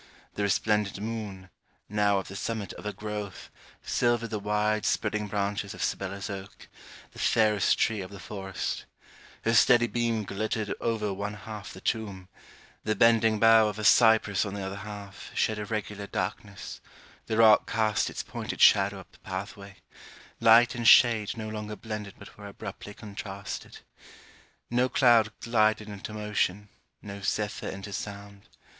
The resplendent moon, now at the summit of her growth, silvered the wide spreading branches of Sibella's oak, the fairest tree of the forest; her steady beam glittered over one half the tomb; the bending bough of a cypress on the other half, shed irregular darkness; the rock cast its pointed shadow up the path way; light and shade no longer blended but were abruptly contrasted. No cloud glided into motion, no zephyr into sound.